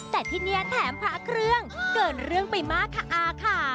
แต่ที่นี่แถมพระเครื่องเกินเรื่องไปมากค่ะอาค่ะ